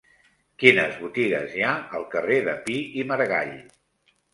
Quines botigues hi ha al carrer de Pi i Margall?